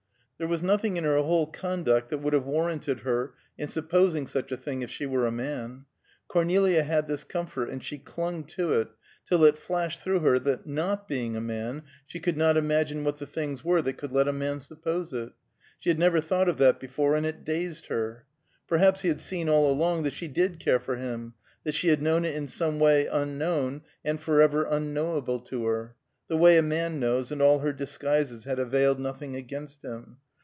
There was nothing in her whole conduct that would have warranted her in supposing such a thing, if she were a man. Cornelia had this comfort, and she clung to it, till it flashed through her that not being a man, she could not imagine what the things were that could let a man suppose it. She had never thought of that before, and it dazed her. Perhaps he had seen all along that she did care for him, that he had known it in some way unknown and forever unknowable to her; the way a man knows; and all her disguises had availed nothing against him.